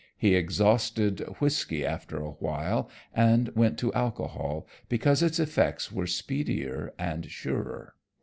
He exhausted whisky after a while, and went to alcohol, because its effects were speedier and surer.